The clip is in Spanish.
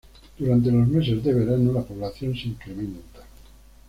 Durante los meses de verano, la población se incrementa.